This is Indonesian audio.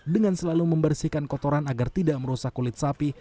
dengan selalu membersihkan kotoran agar tidak merusak kulit sapi